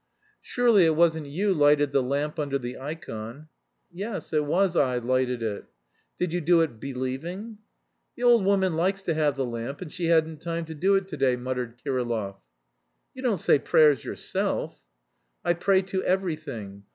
"Surely it wasn't you lighted the lamp under the ikon?" "Yes, it was I lighted it." "Did you do it believing?" "The old woman likes to have the lamp and she hadn't time to do it to day," muttered Kirillov. "You don't say prayers yourself?" "I pray to everything.